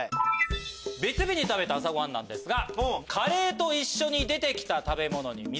別日に食べた朝ごはんですが。